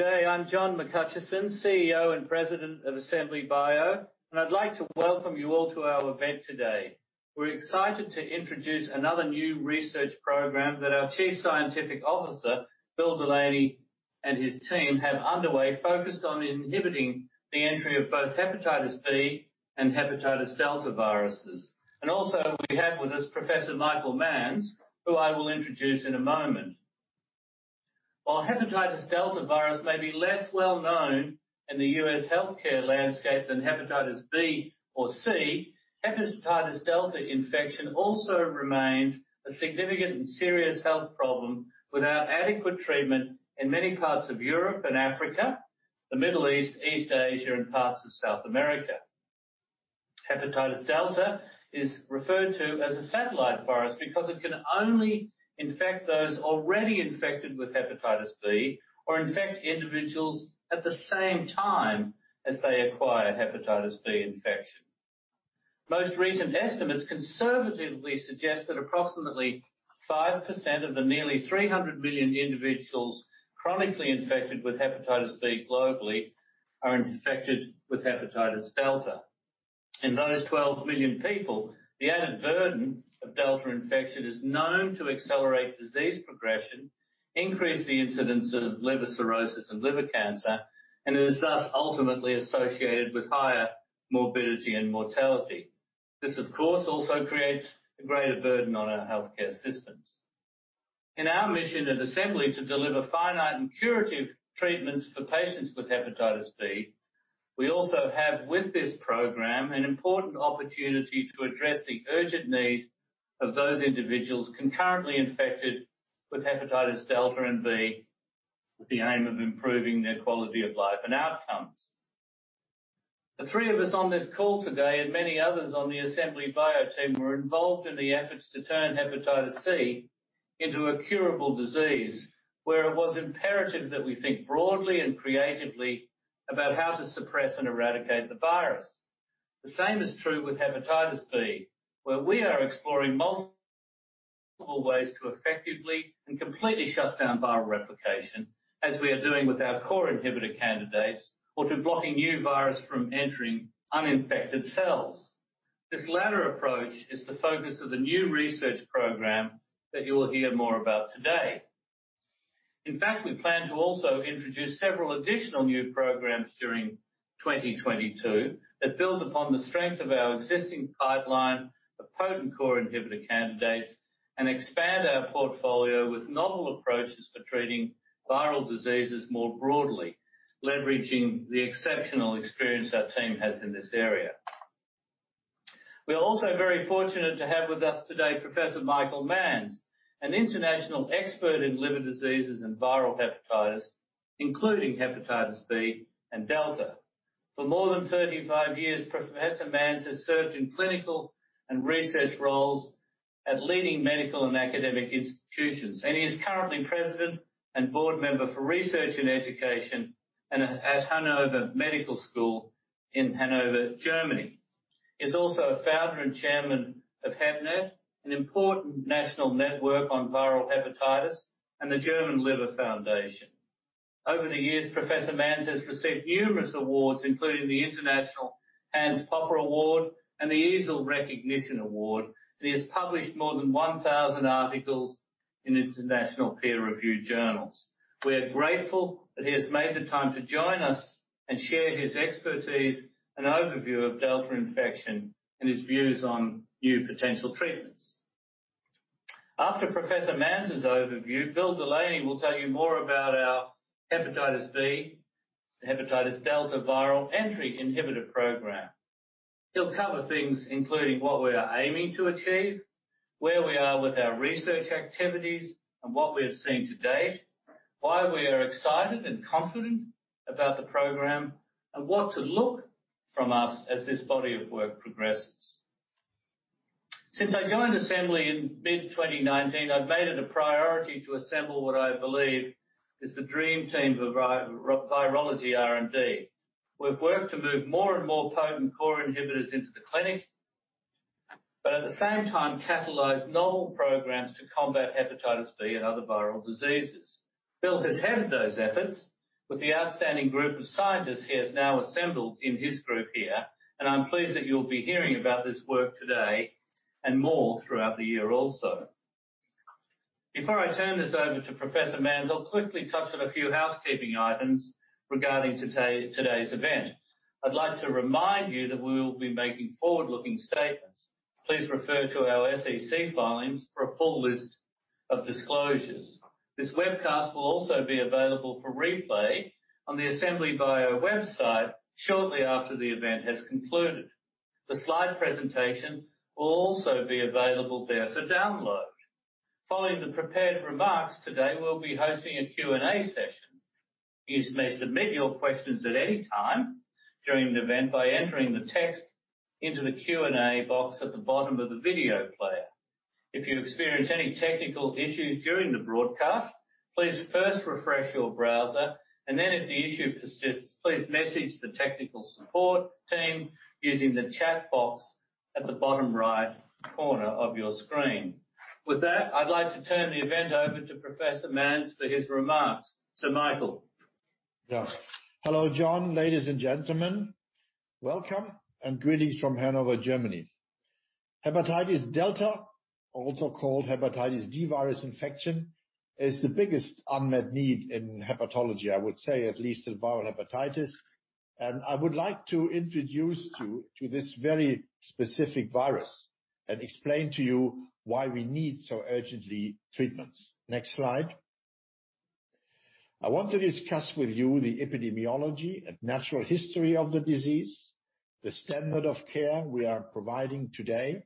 Today, I'm John McHutchison, CEO and President of Assembly Bio, and I'd like to welcome you all to our event today. We're excited to introduce another new research program that our Chief Scientific Officer, Bill Delaney, and his team have underway, focused on inhibiting the entry of both hepatitis B and hepatitis delta viruses. Also, we have with us Professor Michael Manns, who I will introduce in a moment. While hepatitis delta virus may be less well-known in the U.S. healthcare landscape than hepatitis B or C, hepatitis delta infection also remains a significant and serious health problem without adequate treatment in many parts of Europe and Africa, the Middle East Asia, and parts of South America. Hepatitis delta is referred to as a satellite virus because it can only infect those already infected with hepatitis B or infect individuals at the same time as they acquire hepatitis B infection. Most recent estimates conservatively suggest that approximately 5% of the nearly 300 million individuals chronically infected with hepatitis B globally are infected with hepatitis delta. In those 12 million people, the added burden of delta infection is known to accelerate disease progression, increase the incidence of liver cirrhosis and liver cancer, and it is thus ultimately associated with higher morbidity and mortality. This, of course, also creates a greater burden on our healthcare systems. In our mission at Assembly to deliver finite and curative treatments for patients with hepatitis B, we also have with this program an important opportunity to address the urgent need of those individuals concurrently infected with hepatitis delta and B with the aim of improving their quality of life and outcomes. The three of us on this call today and many others on the Assembly Bio team were involved in the efforts to turn hepatitis C into a curable disease, where it was imperative that we think broadly and creatively about how to suppress and eradicate the virus. The same is true with hepatitis B, where we are exploring multiple ways to effectively and completely shut down viral replication as we are doing with our core inhibitor candidates or to blocking new virus from entering uninfected cells. This latter approach is the focus of the new research program that you will hear more about today. In fact, we plan to also introduce several additional new programs during 2022 that build upon the strength of our existing pipeline of potent core inhibitor candidates and expand our portfolio with novel approaches for treating viral diseases more broadly, leveraging the exceptional experience our team has in this area. We are also very fortunate to have with us today Professor Michael Manns, an international expert in liver diseases and viral hepatitis, including hepatitis B and delta. For more than 35 years, Professor Manns has served in clinical and research roles at leading medical and academic institutions, and he is currently president and board member for research and education and at Hannover Medical School in Hannover, Germany. He's also a founder and chairman of HepNet, an important national network on viral hepatitis and the German Liver Foundation. Over the years, Professor Manns has received numerous awards, including the International Hans Popper Award and the EASL Recognition Award, and he has published more than 1,000 articles in international peer-reviewed journals. We are grateful that he has made the time to join us and share his expertise and overview of delta infection and his views on new potential treatments. After Professor Manns' overview, Bill Delaney will tell you more about our hepatitis B, hepatitis delta viral entry inhibitor program. He'll cover things including what we are aiming to achieve, where we are with our research activities and what we have seen to date, why we are excited and confident about the program, and what to look from us as this body of work progresses. Since I joined Assembly in mid-2019, I've made it a priority to assemble what I believe is the dream team for virology R&D. We've worked to move more and more potent core inhibitors into the clinic, but at the same time catalyze novel programs to combat hepatitis B and other viral diseases. Bill has headed those efforts with the outstanding group of scientists he has now assembled in his group here, and I'm pleased that you'll be hearing about this work today and more throughout the year also. Before I turn this over to Professor Manns, I'll quickly touch on a few housekeeping items regarding today's event. I'd like to remind you that we will be making forward-looking statements. Please refer to our SEC filings for a full list of disclosures. This webcast will also be available for replay on the Assembly Bio website shortly after the event has concluded. The slide presentation will also be available there for download. Following the prepared remarks today, we'll be hosting a Q&A session. You may submit your questions at any time during the event by entering the text into the Q&A box at the bottom of the video player. If you experience any technical issues during the broadcast, please first refresh your browser and then if the issue persists, please message the technical support team using the chat box at the bottom right corner of your screen. With that, I'd like to turn the event over to Professor Manns for his remarks. So, Michael. Yeah. Hello, John, ladies and gentlemen. Welcome and greetings from Hannover, Germany. Hepatitis D, also called hepatitis D virus infection, is the biggest unmet need in hepatology, I would say, at least in viral hepatitis. I would like to introduce you to this very specific virus and explain to you why we need so urgently treatments. Next slide. I want to discuss with you the epidemiology and natural history of the disease, the standard of care we are providing today,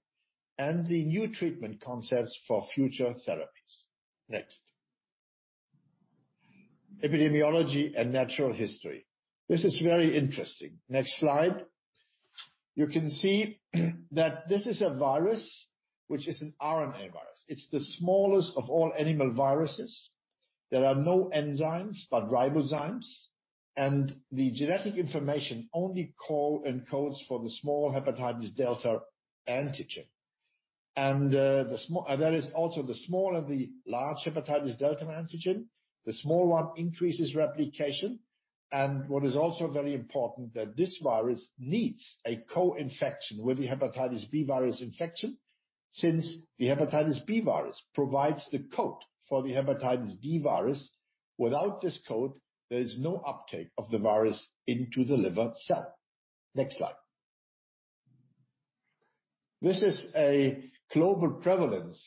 and the new treatment concepts for future therapies. Next. Epidemiology and natural history. This is very interesting. Next slide. You can see that this is a virus which is an RNA virus. It's the smallest of all animal viruses. There are no enzymes, but ribozymes, and the genetic information only encodes for the small hepatitis D antigen. There is also the small and the large hepatitis delta antigen. The small one increases replication. What is also very important, that this virus needs a co-infection with the hepatitis B virus infection since the hepatitis B virus provides the coat for the hepatitis delta virus. Without this coat, there is no uptake of the virus into the liver cell. Next slide. This is a global prevalence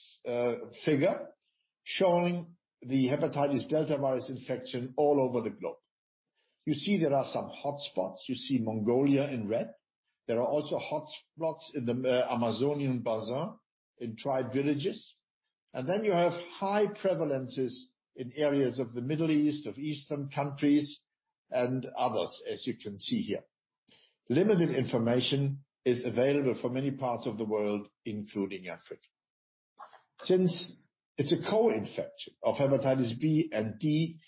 figure showing the hepatitis delta virus infection all over the globe. You see there are some hotspots. You see Mongolia in red. There are also hotspots in the Amazonian basin in tribal villages. Then you have high prevalences in areas of the Middle East, of eastern countries, and others, as you can see here. Limited information is available for many parts of the world, including Africa. Since it's a co-infection of hepatitis B and D,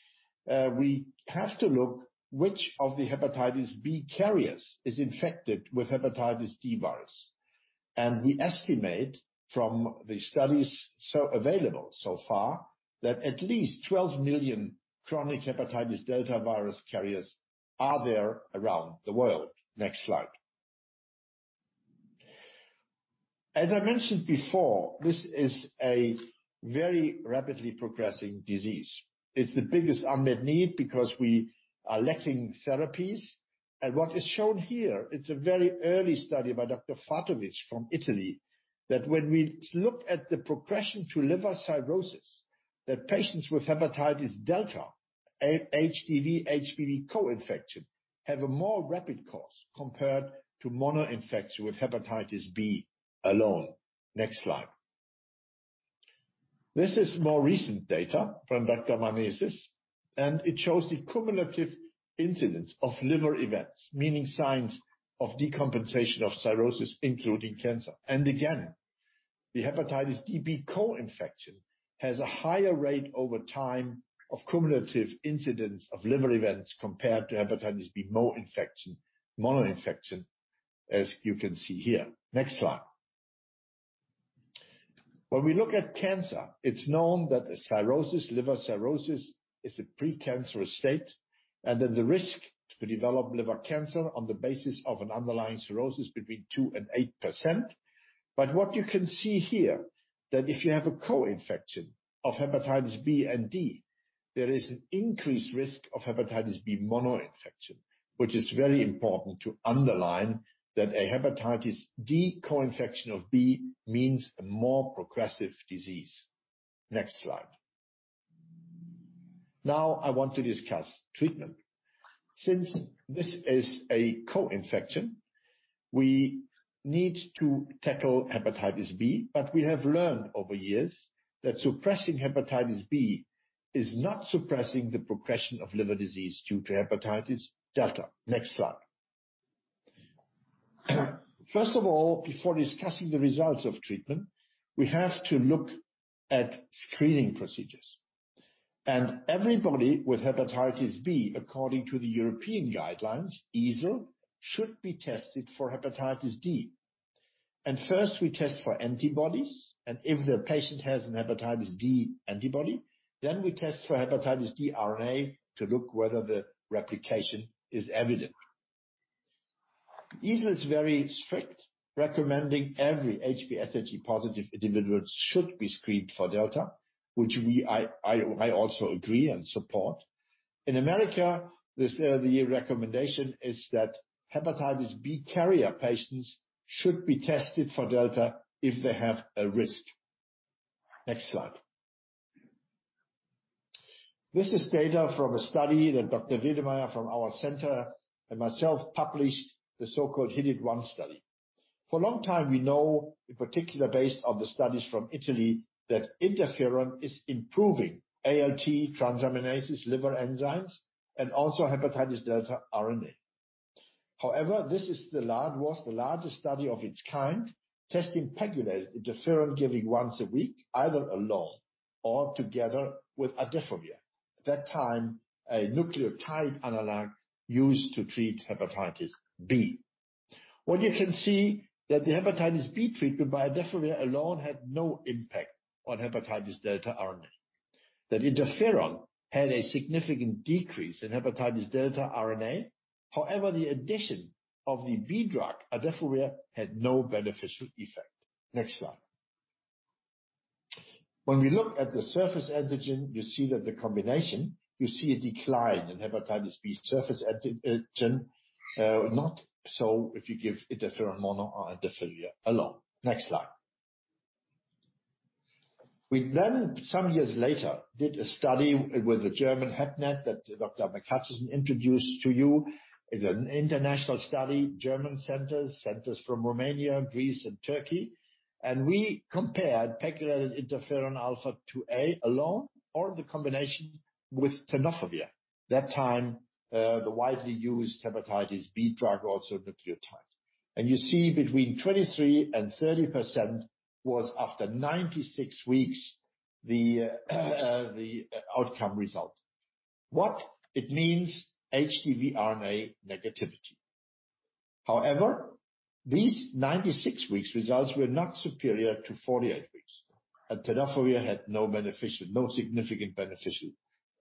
we have to look which of the hepatitis B carriers is infected with hepatitis D virus. We estimate from the studies so available so far that at least 12 million chronic hepatitis delta virus carriers are there around the world. Next slide. As I mentioned before, this is a very rapidly progressing disease. It's the biggest unmet need because we are lacking therapies. What is shown here, it's a very early study by Dr. Fattovich from Italy, that when we look at the progression to liver cirrhosis, that patients with hepatitis delta, HDV/HBV co-infection, have a more rapid course compared to mono infection with hepatitis B alone. Next slide. This is more recent data from Dr. Manesis, and it shows the cumulative incidence of liver events, meaning signs of decompensation of cirrhosis, including cancer. Again, the hepatitis D co-infection has a higher rate over time of cumulative incidence of liver events compared to hepatitis B mono infection, as you can see here. Next slide. When we look at cancer, it's known that liver cirrhosis is a precancerous state, and that the risk to develop liver cancer on the basis of an underlying cirrhosis is between 2% and 8%. What you can see here, that if you have a co-infection of hepatitis B and D, there is an increased risk of hepatitis B mono infection, which is very important to underline that a hepatitis D co-infection of B means a more progressive disease. Next slide. Now I want to discuss treatment. Since this is a co-infection, we need to tackle hepatitis B, but we have learned over years that suppressing hepatitis B is not suppressing the progression of liver disease due to hepatitis delta. Next slide. First of all, before discussing the results of treatment, we have to look at screening procedures. Everybody with hepatitis B, according to the European guidelines, EASL, should be tested for hepatitis D. First, we test for antibodies, and if the patient has a hepatitis D antibody, then we test for hepatitis D RNA to look whether the replication is evident. EASL is very strict, recommending every HBsAg positive individual should be screened for delta, which I also agree and support. In America, the recommendation is that hepatitis B carrier patients should be tested for delta if they have a risk. Next slide. This is data from a study that Dr. Wedemeyer from our center and myself published, the so-called HIDIT-1 study. For a long time, we know, in particular based on the studies from Italy, that interferon is improving ALT transaminases liver enzymes and also hepatitis delta RNA. However, this was the largest study of its kind, testing pegylated interferon given once a week, either alone or together with adefovir, at that time a nucleotide analog used to treat hepatitis B. What you can see that the hepatitis B treatment by adefovir alone had no impact on hepatitis delta RNA. That interferon had a significant decrease in hepatitis delta RNA. However, the addition of the HBV drug, adefovir, had no beneficial effect. Next slide. When we look at the surface antigen, you see that the combination, you see a decline in hepatitis B surface antigen, not so if you give interferon mono or adefovir alone. Next slide. We then, some years later, did a study with the German HepNet that Dr. McHutchison introduced to you. It's an international study, German centers from Romania, Greece, and Turkey. We compared pegylated interferon alpha-2a alone or the combination with tenofovir. That time, the widely used hepatitis B drug, also nucleotides. You see between 23% and 30% was after 96 weeks, the outcome result. What it means, HDV RNA negativity. However, these 96 weeks results were not superior to 48 weeks, and tenofovir had no significant beneficial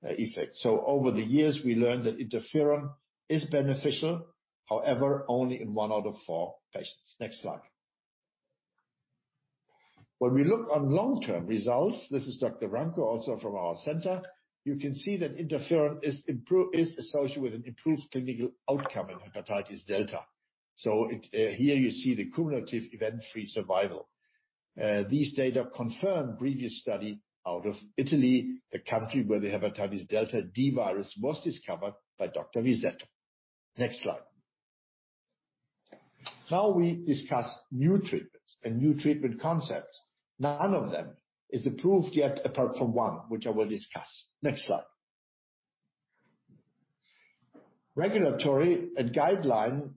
effect. Over the years, we learned that interferon is beneficial, however, only in one out of four patients. Next slide. When we look on long-term results, this is Dr. Cihan Yurdaydin also from our center, you can see that interferon is associated with an improved clinical outcome in hepatitis delta. Here you see the cumulative event-free survival. These data confirm previous study out of Italy, the country where the hepatitis delta virus was discovered by Dr. Rizzetto. Next slide. Now we discuss new treatments and new treatment concepts. None of them is approved yet, apart from one, which I will discuss. Next slide. Regulatory and guideline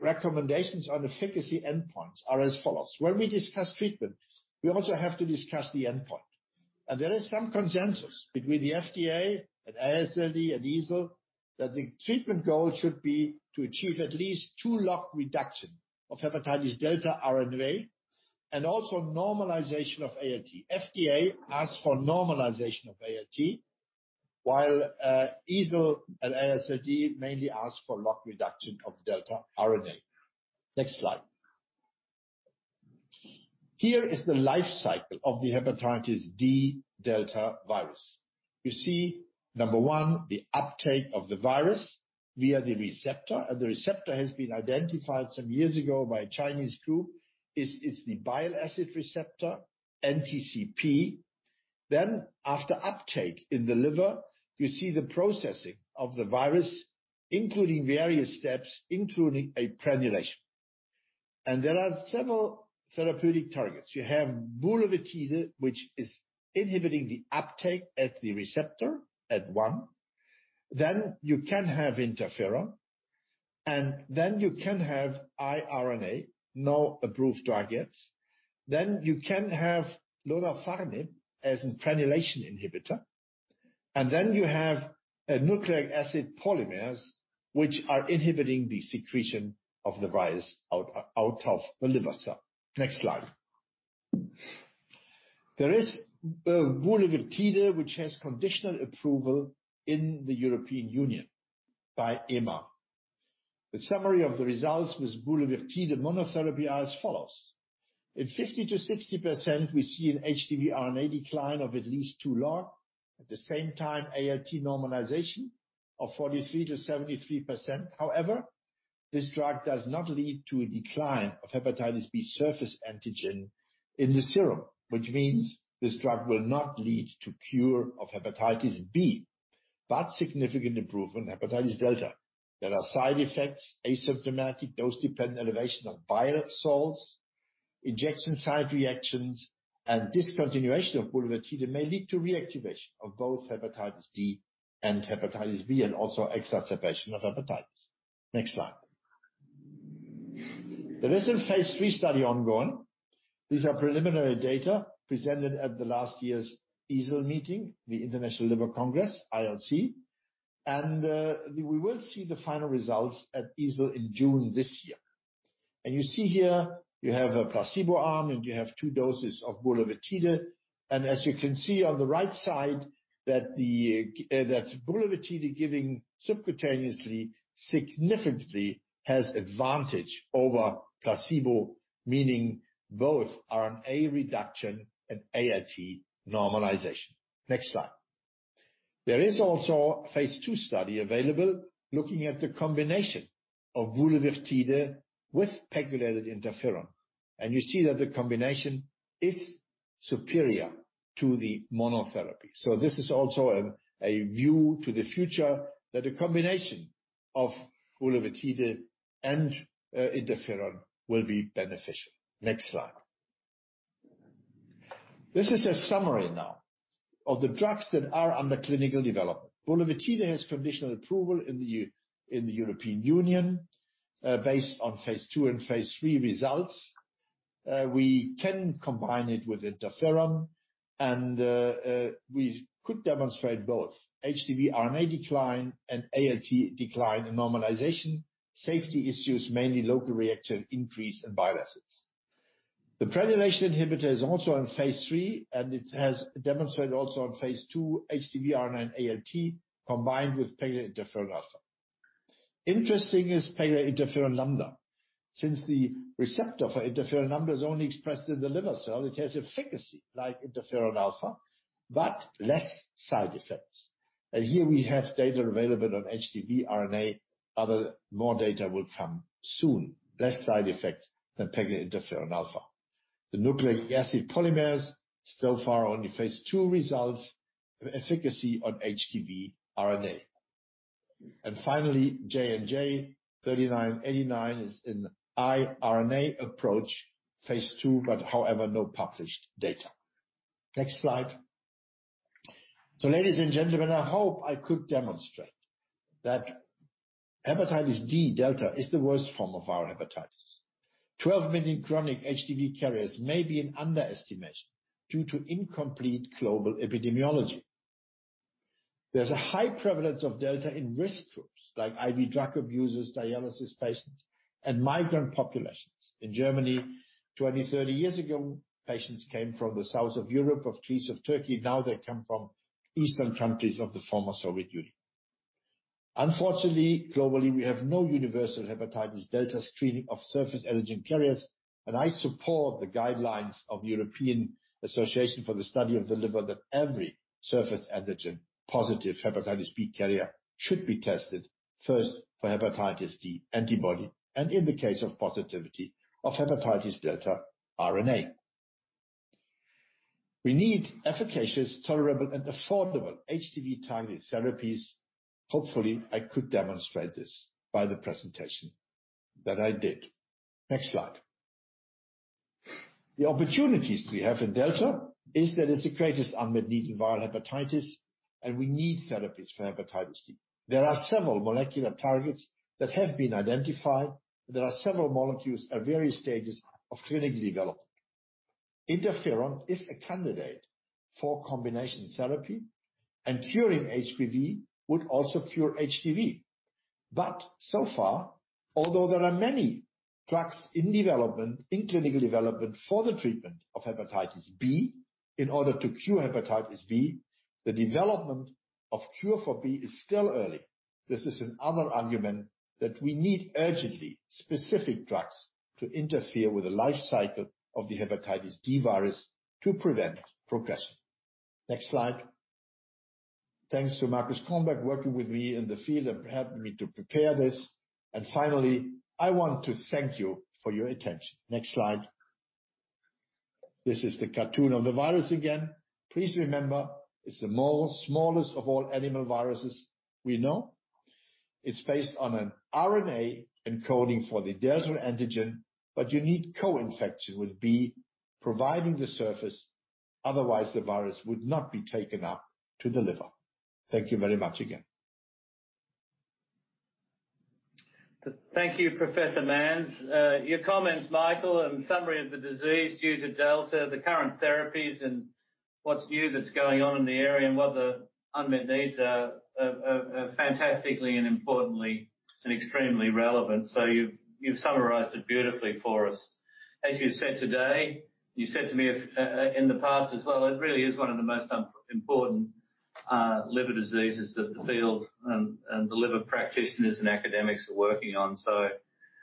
recommendations on efficacy endpoints are as follows. When we discuss treatment, we also have to discuss the endpoint. There is some consensus between the FDA and AASLD and EASL that the treatment goal should be to achieve at least two log reduction of hepatitis delta RNA and also normalization of ALT. FDA asks for normalization of ALT, while EASL and AASLD mainly ask for log reduction of delta RNA. Next slide. Here is the life cycle of the hepatitis D delta virus. You see, number one, the uptake of the virus via the receptor, and the receptor has been identified some years ago by a Chinese group. It's the bile acid receptor NTCP. After uptake in the liver, you see the processing of the virus, including various steps, including a prenylation. There are several therapeutic targets. You have bulevirtide, which is inhibiting the uptake at the receptor at one, then you can have interferon, and then you can have RNAi, no approved drug yet. You can have lonafarnib as a prenylation inhibitor, and you have nucleic acid polymers, which are inhibiting the secretion of the virus out of the liver cell. Next slide. There is bulevirtide, which has conditional approval in the European Union by EMA. The summary of the results with bulevirtide monotherapy are as follows. In 50%-60%, we see an HDV RNA decline of at least two log. At the same time, ALT normalization of 43%-73%. However, this drug does not lead to a decline of hepatitis B surface antigen in the serum, which means this drug will not lead to cure of hepatitis B, but significant improvement in hepatitis delta. There are side effects, asymptomatic, dose-dependent elevation of bile salts, injection site reactions, and discontinuation of bulevirtide may lead to reactivation of both hepatitis D and hepatitis B, and also exacerbation of hepatitis. Next slide. There is a phase III study ongoing. These are preliminary data presented at last year's EASL meeting, the International Liver Congress, ILC. We will see the final results at EASL in June this year. You see here you have a placebo arm, and you have two doses of bulevirtide. As you can see on the right side that bulevirtide giving subcutaneously significantly has advantage over placebo, meaning both RNA reduction and ALT normalization. Next slide. There is also a phase II study available looking at the combination of bulevirtide with pegylated interferon, and you see that the combination is superior to the monotherapy. This is also a view to the future that a combination of bulevirtide and interferon will be beneficial. Next slide. This is a summary now of the drugs that are under clinical development. Bulevirtide has conditional approval in the European Union, based on phase II and phase III results. We can combine it with interferon, and we could demonstrate both HDV RNA decline and ALT decline and normalization, safety issues, mainly local reaction, increase in bile acids. The replication inhibitor is also in phase III, and it has demonstrated also in phase II HDV RNA and ALT combined with pegylated interferon alpha. Interesting is peg interferon lambda. Since the receptor for interferon lambda is only expressed in the liver cell, it has efficacy like interferon alpha, but less side effects. Here we have data available on HDV RNA. Other more data will come soon. Less side effects than pegylated interferon alpha. The nucleic acid polymers, so far only phase II results of efficacy on HDV RNA. Finally, JNJ-3989 is an siRNA approach, phase II, but however, no published data. Next slide. Ladies and gentlemen, I hope I could demonstrate that hepatitis delta is the worst form of viral hepatitis. 12 million chronic HDV carriers may be an underestimation due to incomplete global epidemiology. There's a high prevalence of delta in risk groups like IV drug abusers, dialysis patients, and migrant populations. In Germany, 20, 30 years ago, patients came from the south of Europe, of Greece, of Turkey. Now they come from eastern countries of the former Soviet Union. Unfortunately, globally, we have no universal hepatitis delta screening of surface antigen carriers. I support the guidelines of European Association for the Study of the Liver that every surface antigen-positive hepatitis B carrier should be tested first for hepatitis delta antibody and, in the case of positivity, of hepatitis delta RNA. We need efficacious, tolerable, and affordable HDV targeted therapies. Hopefully, I could demonstrate this by the presentation that I did. Next slide. The opportunities we have in delta is that it's the greatest unmet need in viral hepatitis, and we need therapies for hepatitis D. There are several molecular targets that have been identified. There are several molecules at various stages of clinical development. Interferon is a candidate for combination therapy, and curing HBV would also cure HDV. So far, although there are many drugs in development, in clinical development for the treatment of hepatitis B in order to cure hepatitis B, the development of cure for B is still early. This is another argument that we need urgently specific drugs to interfere with the life cycle of the hepatitis D virus to prevent progression. Next slide. Thanks to Markus Cornberg, working with me in the field and helping me to prepare this. Finally, I want to thank you for your attention. Next slide. This is the cartoon of the virus again. Please remember, it's the more smallest of all animal viruses we know. It's based on an RNA encoding for the delta antigen, but you need co-infection with HBV providing the surface, otherwise the virus would not be taken up to the liver. Thank you very much again. Thank you, Professor Manns. Your comments, Michael, and summary of the disease due to delta, the current therapies and what's new that's going on in the area and what the unmet needs are fantastically and importantly and extremely relevant. You've summarized it beautifully for us. As you said today, you said to me in the past as well, it really is one of the most important liver diseases that the field and the liver practitioners and academics are working on.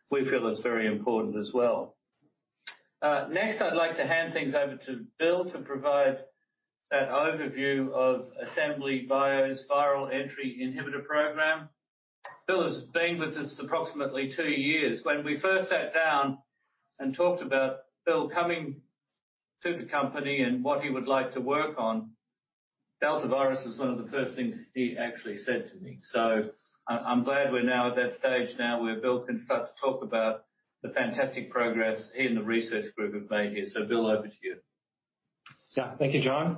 We feel it's very important as well. Next, I'd like to hand things over to Bill to provide that overview of Assembly Bio's viral entry inhibitor program. Bill has been with us approximately two years. When we first sat down and talked about Bill coming to the company and what he would like to work on, delta virus was one of the first things he actually said to me. I'm glad we're now at that stage now where Bill can start to talk about the fantastic progress he and the research group have made here. Bill, over to you. Yeah. Thank you, John.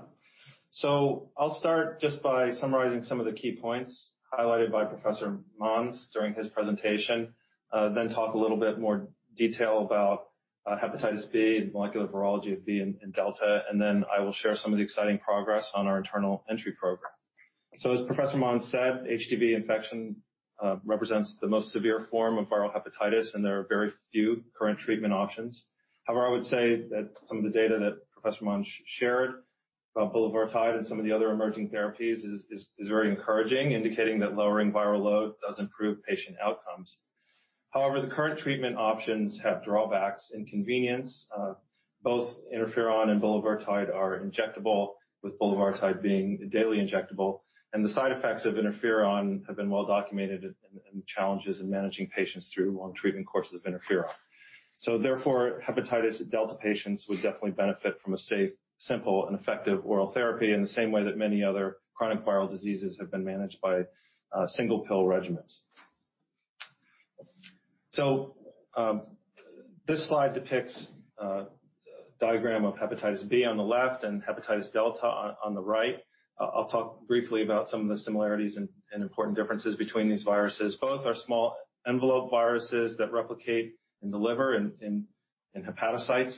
I'll start just by summarizing some of the key points highlighted by Professor Manns during his presentation, then talk a little bit more detail about hepatitis B and molecular virology of B and delta. I will share some of the exciting progress on our internal entry program. As Professor Manns said, HDV infection represents the most severe form of viral hepatitis, and there are very few current treatment options. However, I would say that some of the data that Professor Manns shared about bulevirtide and some of the other emerging therapies is very encouraging, indicating that lowering viral load does improve patient outcomes. However, the current treatment options have drawbacks. Inconvenience, both interferon and bulevirtide are injectable, with bulevirtide being daily injectable. The side effects of interferon have been well documented and challenges in managing patients through long treatment courses of interferon. Therefore, hepatitis delta patients would definitely benefit from a safe, simple, and effective oral therapy in the same way that many other chronic viral diseases have been managed by single-pill regimens. This slide depicts a diagram of hepatitis B on the left and hepatitis delta on the right. I'll talk briefly about some of the similarities and important differences between these viruses. Both are small envelope viruses that replicate in the liver in hepatocytes.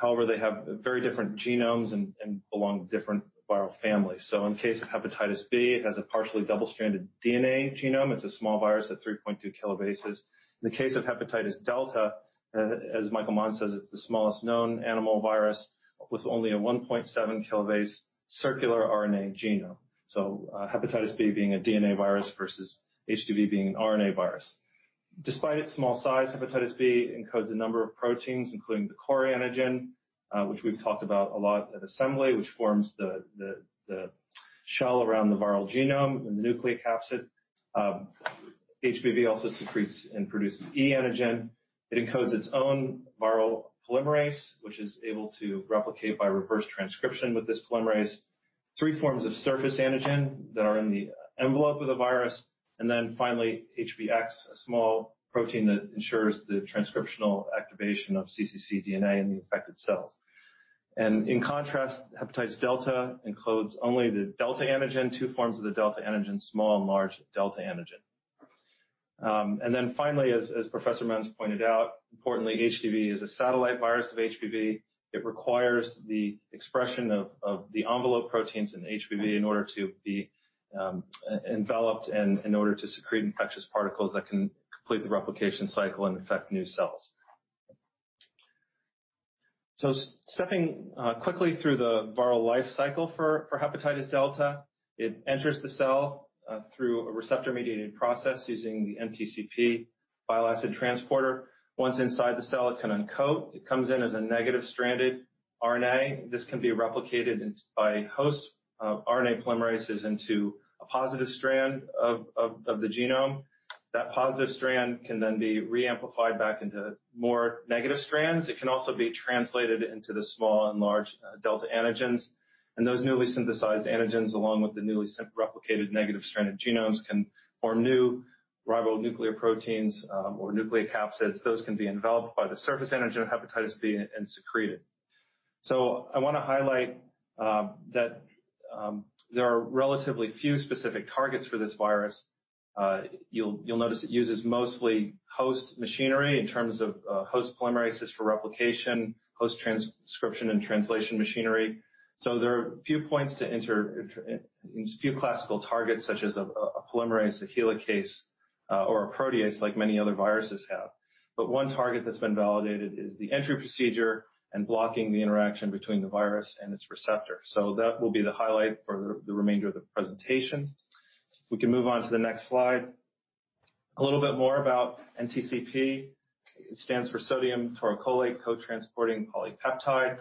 However, they have very different genomes and belong to different viral families. In the case of hepatitis B, it has a partially double-stranded DNA genome. It's a small virus at 3.2 kilobases. In the case of hepatitis delta, as Michael Manns says, it's the smallest known animal virus with only a 1.7 kilobase circular RNA genome. Hepatitis B being a DNA virus versus HBV being an RNA virus. Despite its small size, hepatitis B encodes a number of proteins, including the core antigen, which we've talked about a lot at Assembly, which forms the shell around the viral genome and the nucleocapsid. HBV also secretes and produces e-antigen. It encodes its own viral polymerase, which is able to replicate by reverse transcription with this polymerase. Three forms of surface antigen that are in the envelope of the virus, and then finally, HBx, a small protein that ensures the transcriptional activation of cccDNA in the affected cells. In contrast, hepatitis delta encodes only the delta antigen, two forms of the delta antigen, small and large delta antigen. Then finally, as Professor Manns pointed out, importantly, HDV is a satellite virus of HBV. It requires the expression of the envelope proteins in HBV in order to be enveloped and in order to secrete infectious particles that can complete the replication cycle and infect new cells. Stepping quickly through the viral life cycle for hepatitis delta, it enters the cell through a receptor-mediated process using the NTCP bile acid transporter. Once inside the cell, it can uncoat. It comes in as a negative stranded RNA. This can be replicated by host RNA polymerases into a positive strand of the genome. That positive strand can then be re-amplified back into more negative strands. It can also be translated into the small and large delta antigens. Those newly synthesized antigens, along with the newly replicated negative stranded genomes, can form new ribonucleoproteins or nucleocapsids. Those can be enveloped by the surface antigen of hepatitis B and secreted. I want to highlight that there are relatively few specific targets for this virus. You'll notice it uses mostly host machinery in terms of host polymerases for replication, host transcription and translation machinery. There are a few classical targets, such as a polymerase, a helicase or a protease, like many other viruses have. One target that's been validated is the entry procedure and blocking the interaction between the virus and its receptor. That will be the highlight for the remainder of the presentation. We can move on to the next slide. A little bit more about NTCP. It stands for sodium taurocholate cotransporting polypeptide.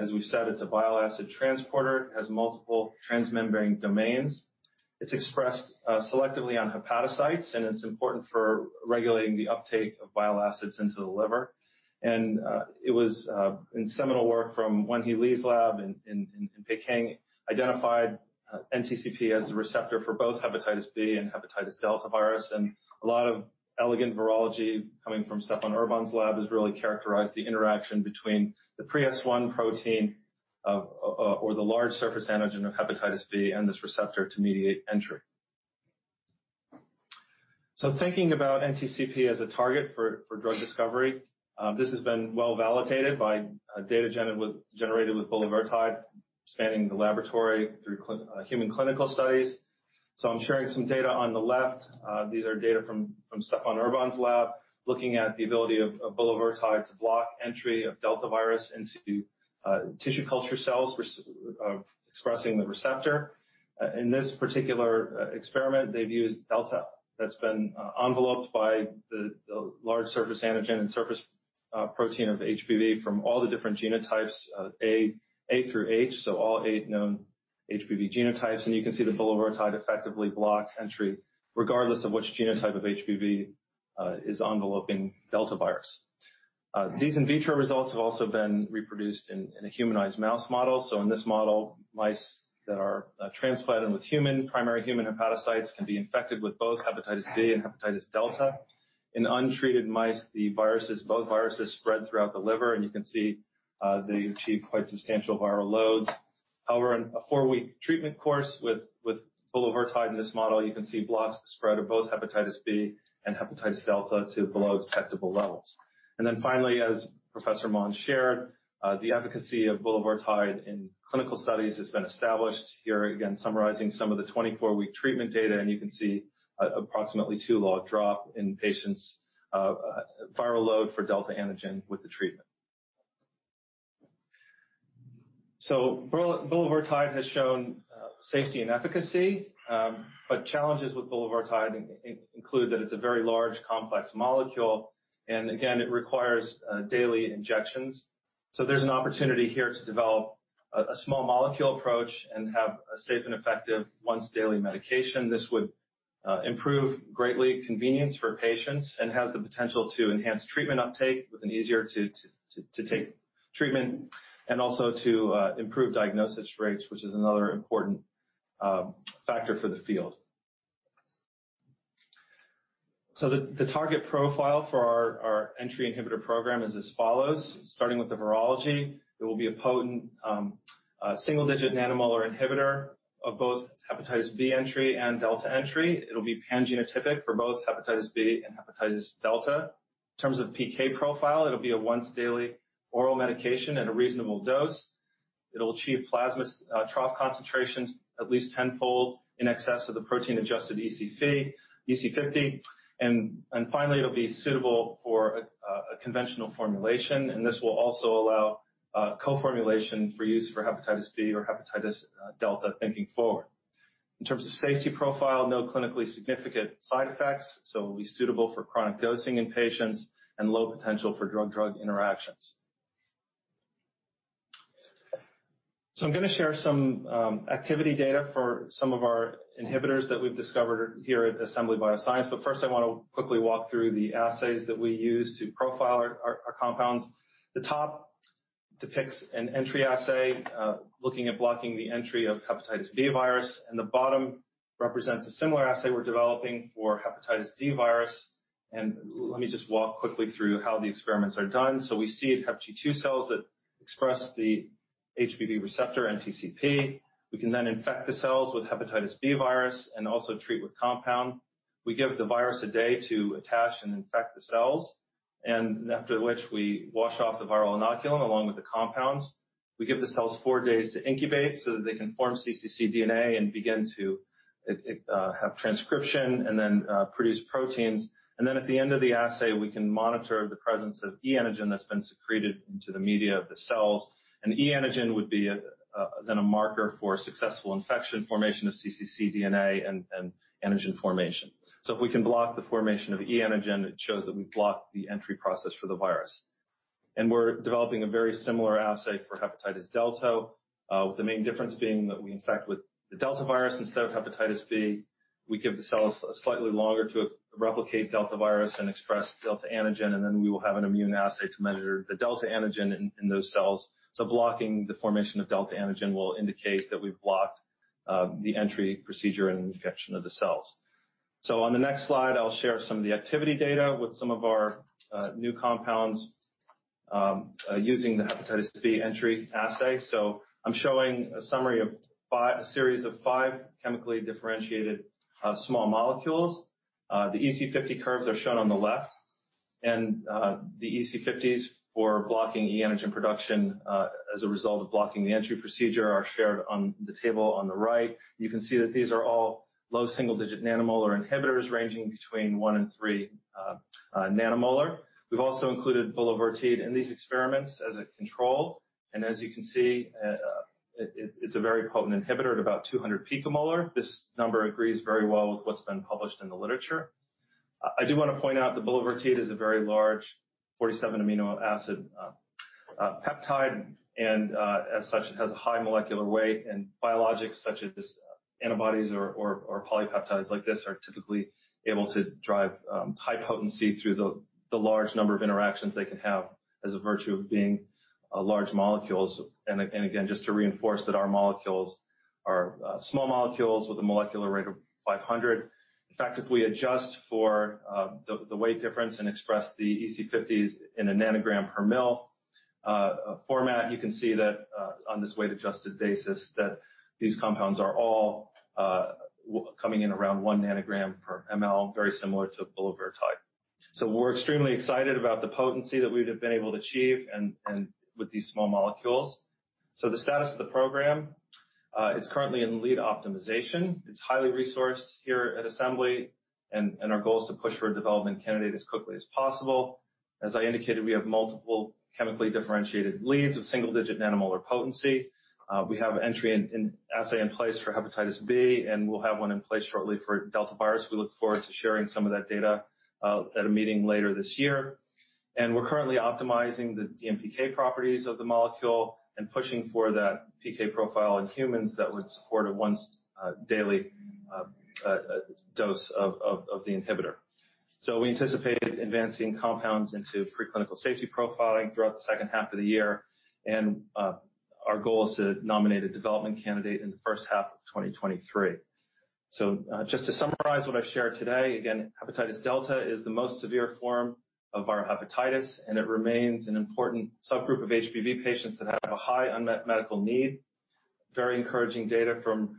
As we said, it's a bile acid transporter. It has multiple transmembrane domains. It's expressed selectively on hepatocytes, and it's important for regulating the uptake of bile acids into the liver. It was in seminal work from Wenhui Li's lab in Beijing identified NTCP as the receptor for both hepatitis B and hepatitis delta virus. A lot of elegant virology coming from Stephan Urban's lab has really characterized the interaction between the pre-S1 protein of or the large surface antigen of hepatitis B and this receptor to mediate entry. Thinking about NTCP as a target for drug discovery, this has been well-validated by data generated with bulevirtide, spanning the laboratory through human clinical studies. I'm sharing some data on the left. These are data from Stephan Urban's lab looking at the ability of bulevirtide to block entry of delta virus into tissue culture cells expressing the receptor. In this particular experiment, they've used delta that's been enveloped by the large surface antigen and surface protein of HBV from all the different genotypes A through H, so all eight known HBV genotypes. You can see the bulevirtide effectively blocks entry regardless of which genotype of HBV is enveloping delta virus. These in vitro results have also been reproduced in a humanized mouse model. In this model, mice that are transplanted with human primary human hepatocytes can be infected with both hepatitis B and hepatitis delta. In untreated mice, the viruses, both viruses spread throughout the liver, and you can see they achieve quite substantial viral loads. However, in a four-week treatment course with bulevirtide in this model, you can see blocks spread of both hepatitis B and hepatitis delta to below detectable levels. Finally, as Professor Mann shared, the efficacy of bulevirtide in clinical studies has been established. Here again summarizing some of the 24-week treatment data, and you can see approximately two-log drop in patients' viral load for delta antigen with the treatment. Bulevirtide has shown safety and efficacy, but challenges with bulevirtide include that it's a very large, complex molecule, and again, it requires daily injections. There's an opportunity here to develop a small molecule approach and have a safe and effective once daily medication. This would improve greatly convenience for patients and has the potential to enhance treatment uptake with an easier to take treatment and also to improve diagnosis rates, which is another important factor for the field. The target profile for our entry inhibitor program is as follows. Starting with the virology, it will be a potent single-digit nanomolar inhibitor of both hepatitis B entry and delta entry. It'll be pangenotypic for both hepatitis B and hepatitis delta. In terms of PK profile, it'll be a once daily oral medication at a reasonable dose. It'll achieve plasma trough concentrations at least tenfold in excess of the protein adjusted EC50. Finally, it'll be suitable for a conventional formulation, and this will also allow co-formulation for use for hepatitis B or hepatitis delta thinking forward. In terms of safety profile, no clinically significant side effects, so it'll be suitable for chronic dosing in patients and low potential for drug-drug interactions. I'm gonna share some activity data for some of our inhibitors that we've discovered here at Assembly Biosciences, but first I wanna quickly walk through the assays that we use to profile our compounds. The top depicts an entry assay looking at blocking the entry of hepatitis B virus, and the bottom represents a similar assay we're developing for hepatitis D virus. Let me just walk quickly through how the experiments are done. We seed HepG2 cells that express the HBV receptor NTCP. We can then infect the cells with hepatitis B virus and also treat with compound. We give the virus a day to attach and infect the cells, and after which we wash off the viral inoculum along with the compounds. We give the cells four days to incubate so that they can form cccDNA and begin to have transcription and then produce proteins. At the end of the assay, we can monitor the presence of e-antigen that's been secreted into the media of the cells. An e-antigen would be a, then a marker for successful infection, formation of cccDNA and antigen formation. If we can block the formation of e-antigen, it shows that we've blocked the entry process for the virus. We're developing a very similar assay for hepatitis delta, with the main difference being that we infect with the delta virus instead of hepatitis B. We give the cells slightly longer to replicate delta virus and express delta antigen, and then we will have an immunoassay to measure the delta antigen in those cells. Blocking the formation of delta antigen will indicate that we've blocked the entry procedure and infection of the cells. On the next slide, I'll share some of the activity data with some of our new compounds using the hepatitis B entry assay. I'm showing a summary of a series of five chemically differentiated small molecules. The EC50 curves are shown on the left, and the EC50s for blocking e-antigen production as a result of blocking the entry procedure are shown on the table on the right. You can see that these are all low single-digit nanomolar inhibitors ranging between 1 and 3 nanomolar. We've also included boceprevir in these experiments as a control. As you can see, it is a very potent inhibitor at about 200 picomolar. This number agrees very well with what's been published in the literature. I do wanna point out the boceprevir is a very large 47 amino acid peptide and, as such, it has a high molecular weight and biologics such as antibodies or polypeptides like this are typically able to drive high potency through the large number of interactions they can have by virtue of being large molecules. Again, just to reinforce that our molecules are small molecules with a molecular weight of 500. In fact, if we adjust for the weight difference and express the EC50s in a nanogram per mL format, you can see that, on this weight-adjusted basis, that these compounds are all coming in around one nanogram per mL, very similar to boceprevir. We're extremely excited about the potency that we have been able to achieve and with these small molecules. The status of the program, it's currently in lead optimization. It's highly resourced here at Assembly, and our goal is to push for a development candidate as quickly as possible. As I indicated, we have multiple chemically differentiated leads of single-digit nanomolar potency. We have entry assay in place for hepatitis B, and we'll have one in place shortly for delta virus. We look forward to sharing some of that data at a meeting later this year. We're currently optimizing the DMPK properties of the molecule and pushing for that PK profile in humans that would support a once daily dose of the inhibitor. We anticipate advancing compounds into preclinical safety profiling throughout the second half of the year. Our goal is to nominate a development candidate in the first half of 2023. Just to summarize what I've shared today, again, hepatitis delta is the most severe form of viral hepatitis, and it remains an important subgroup of HBV patients that have a high unmet medical need. Very encouraging data from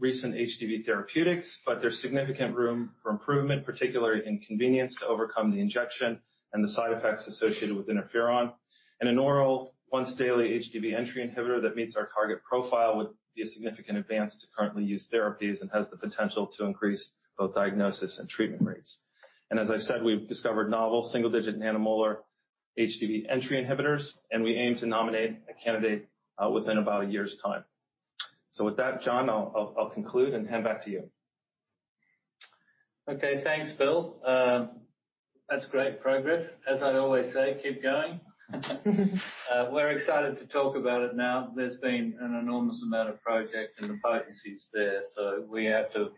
recent HBV therapeutics, but there's significant room for improvement, particularly in convenience to overcome the injection and the side effects associated with interferon. An oral once daily HBV entry inhibitor that meets our target profile would be a significant advance to currently used therapies and has the potential to increase both diagnosis and treatment rates. As I've said, we've discovered novel single-digit nanomolar HBV entry inhibitors, and we aim to nominate a candidate within about a year's time. With that, John, I'll conclude and hand back to you. Okay, thanks, Bill. That's great progress. As I'd always say, keep going. We're excited to talk about it now. There's been an enormous amount of progress, and the potency is there. We have to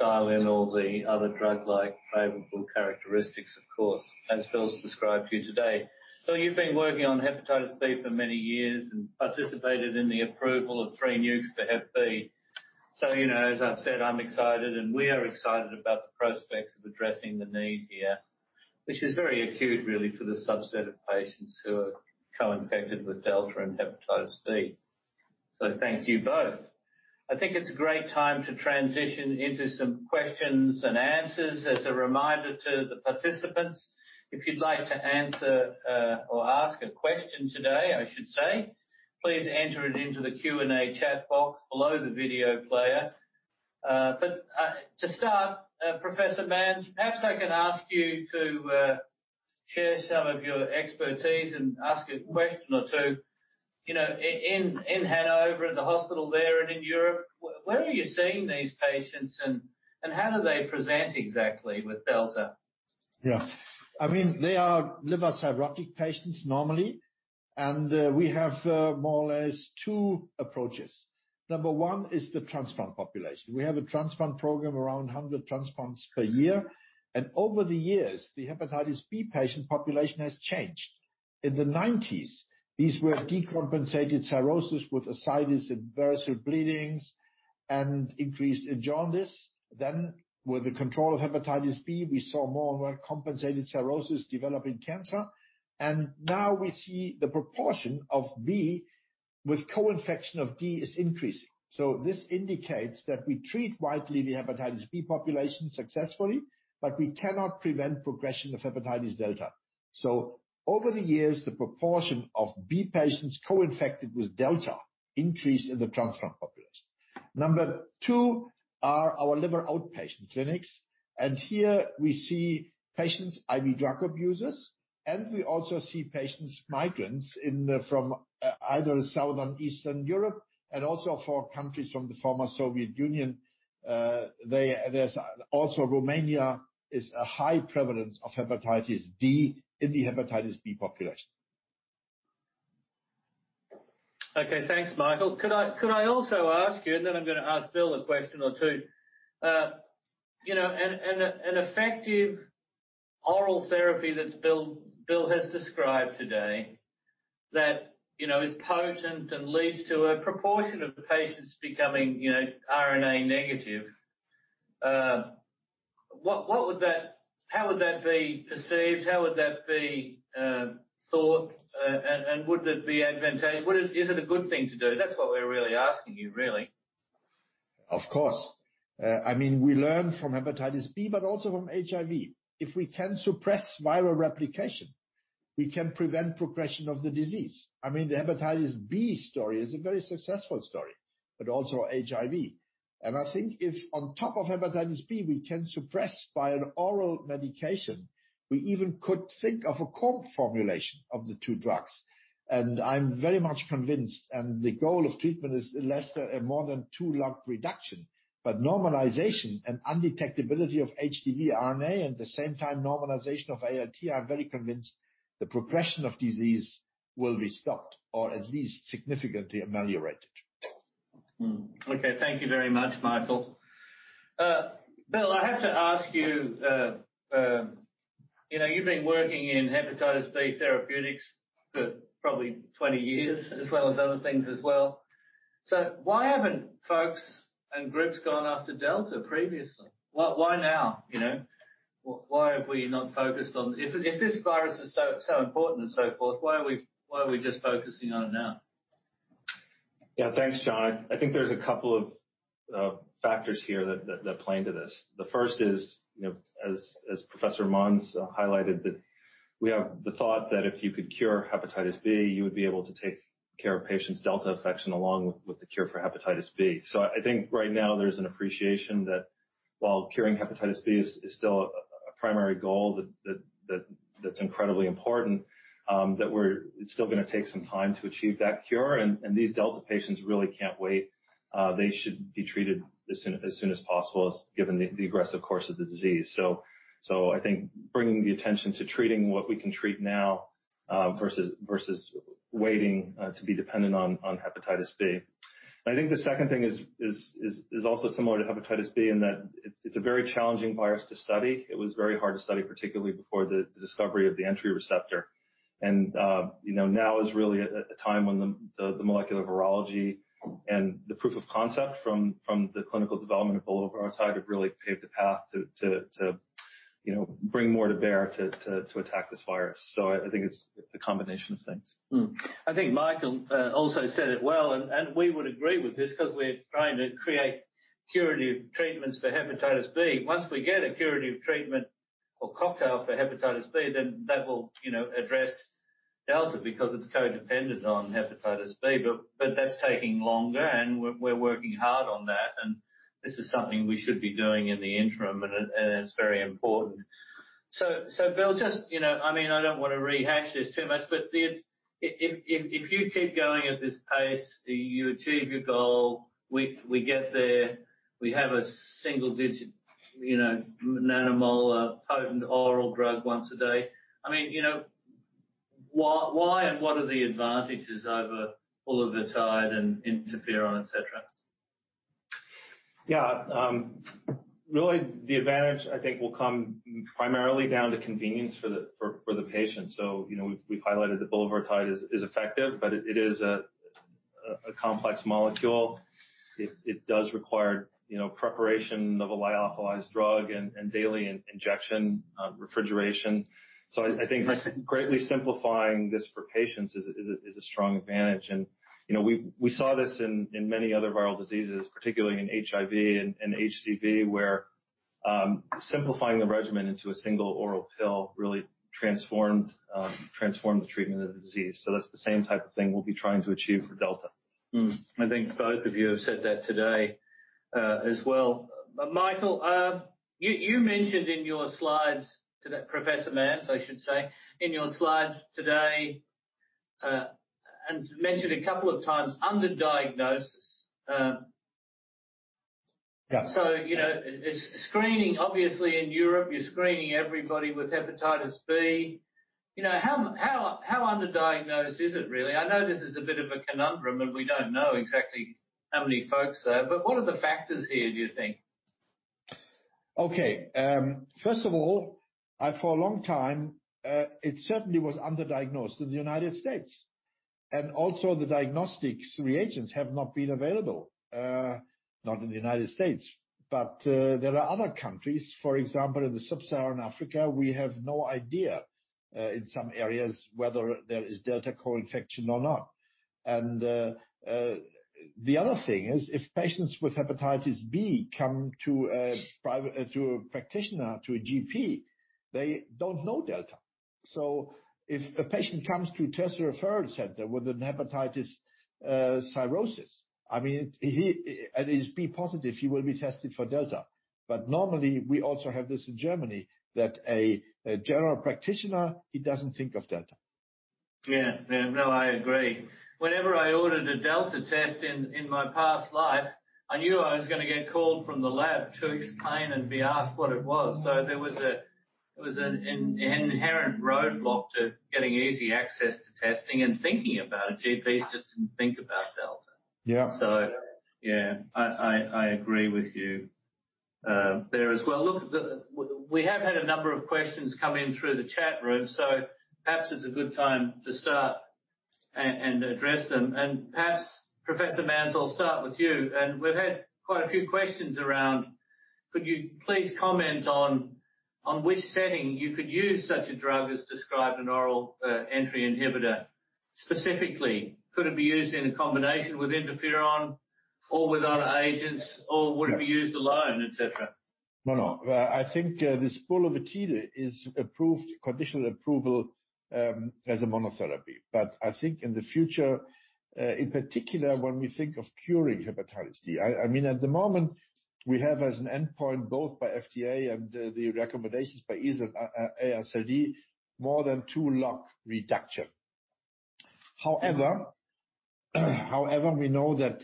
dial in all the other drug-like favorable characteristics, of course, as Bill's described to you today. Bill, you've been working on hepatitis B for many years and participated in the approval of three nucs for hep B. You know, as I've said, I'm excited, and we are excited about the prospects of addressing the need here, which is very acute, really, for the subset of patients who are co-infected with delta and hepatitis B. Thank you both. I think it's a great time to transition into some questions and answers. As a reminder to the participants, if you'd like to answer or ask a question today, I should say, please enter it into the Q&A chat box below the video player. To start, Professor Manns, perhaps I can ask you to share some of your expertise and ask a question or two. You know, in Hannover, at the hospital there and in Europe, where are you seeing these patients and how do they present exactly with delta? Yeah. I mean, they are liver cirrhotic patients normally, and we have more or less two approaches. Number one is the transplant population. We have a transplant program around 100 transplants per year. Over the years, the hepatitis B patient population has changed. In the nineties, these were decompensated cirrhosis with ascites and variceal bleedings and increased jaundice. With the control of hepatitis B, we saw more and more compensated cirrhosis developing cancer. Now we see the proportion of B with co-infection of D is increasing. This indicates that we treat widely the hepatitis B population successfully, but we cannot prevent progression of hepatitis delta. Over the years, the proportion of B patients co-infected with delta increased in the transplant population. Number two, are our liver outpatient clinics, and here we see patients, IV drug abusers, and we also see patients, migrants from either southeastern Europe and also from countries from the former Soviet Union. Also, Romania has a high prevalence of hepatitis D in the hepatitis B population. Okay. Thanks, Michael. Could I also ask you, and then I'm gonna ask Bill a question or two. You know, an effective oral therapy that Bill has described today that, you know, is potent and leads to a proportion of patients becoming, you know, RNA negative. How would that be perceived? How would that be thought, and would it be advantageous? Is it a good thing to do? That's what we're really asking you, really. Of course. I mean, we learn from hepatitis B, but also from HIV. If we can suppress viral replication, we can prevent progression of the disease. I mean, the hepatitis B story is a very successful story, but also HIV. I think if on top of hepatitis B we can suppress by an oral medication, we even could think of a co-formulation of the two drugs. I'm very much convinced, and the goal of treatment is less a more than two log reduction, but normalization and undetectability of HDV RNA at the same time normalization of ALT. I'm very convinced the progression of disease will be stopped, or at least significantly ameliorated. Mm-hmm. Okay. Thank you very much, Michael. Bill, I have to ask you know, you've been working in hepatitis B therapeutics for probably 20 years as well as other things as well. Why haven't folks and groups gone after delta previously? Why now, you know? Why have we not focused on it? If this virus is so important and so forth, why are we just focusing on it now? Yeah. Thanks, John. I think there's a couple of factors here that play into this. The first is, you know, as Professor Manns highlighted, that we have the thought that if you could cure hepatitis B, you would be able to take care of patients' delta infection along with the cure for hepatitis B. I think right now there's an appreciation that while curing hepatitis B is still a primary goal that's incredibly important, it's still gonna take some time to achieve that cure, and these delta patients really can't wait. They should be treated as soon as possible given the aggressive course of the disease. I think bringing the attention to treating what we can treat now, versus waiting to be dependent on hepatitis B. I think the second thing is also similar to hepatitis B in that it's a very challenging virus to study. It was very hard to study, particularly before the discovery of the entry receptor. You know, now is really a time when the molecular virology and the proof of concept from the clinical development of bulevirtide have really paved the path to you know, bring more to bear to attack this virus. I think it's a combination of things. Mm-hmm. I think Michael also said it well, and we would agree with this 'cause we're trying to create curative treatments for hepatitis B. Once we get a curative treatment or cocktail for hepatitis B, then that will, you know, address delta because it's codependent on hepatitis B. But that's taking longer, and we're working hard on that, and this is something we should be doing in the interim, and it's very important. Bill, just, you know, I mean, I don't wanna rehash this too much, but if you keep going at this pace, you achieve your goal. We get there. We have a single digit, you know, nanomolar potent oral drug once a day. I mean, you know, why and what are the advantages over bulevirtide and interferon, et cetera? Really, the advantage, I think, will come primarily down to convenience for the patient. You know, we've highlighted that bulevirtide is effective, but it is a complex molecule. It does require, you know, preparation of a lyophilized drug and daily injection, refrigeration. I think greatly simplifying this for patients is a strong advantage. You know, we saw this in many other viral diseases, particularly in HIV and HCV, where simplifying the regimen into a single oral pill really transformed the treatment of the disease. That's the same type of thing we'll be trying to achieve for delta. I think both of you have said that today as well. Michael, you mentioned in your slides today, Professor Manns, I should say. In your slides today and mentioned a couple of times under diagnosis. Yeah. You know, it's screening. Obviously, in Europe, you're screening everybody with hepatitis B. You know, how underdiagnosed is it, really? I know this is a bit of a conundrum, and we don't know exactly how many folks there. What are the factors here, do you think? Okay. First of all, for a long time, it certainly was underdiagnosed in the United States. The diagnostics reagents have not been available, not in the United States. There are other countries, for example, in sub-Saharan Africa, we have no idea in some areas whether there is delta co-infection or not. The other thing is, if patients with hepatitis B come to a practitioner, to a GP, they don't know delta. If a patient comes to tertiary referral center with a hepatitis cirrhosis, I mean, he is B positive, he will be tested for delta. Normally, we also have this in Germany, that a general practitioner, he doesn't think of delta. Yeah. No, I agree. Whenever I ordered a delta test in my past life, I knew I was gonna get called from the lab to explain and be asked what it was. There was an inherent roadblock to getting easy access to testing and thinking about it. GPs just didn't think about delta. Yeah. Yeah, I agree with you there as well. Look, we have had a number of questions come in through the chat room, so perhaps it's a good time to start and address them. Perhaps, Professor Manns, I'll start with you. We've had quite a few questions around could you please comment on which setting you could use such a drug as described, an oral entry inhibitor. Specifically, could it be used in combination with interferon or with other agents or- Yeah. Would it be used alone, et cetera? No, no. Well, I think this bulevirtide is approved, conditional approval, as a monotherapy. I think in the future, in particular, when we think of curing hepatitis D, I mean, at the moment, we have as an endpoint, both by FDA and the recommendations by EASL, AASLD, more than two log reduction. However, we know that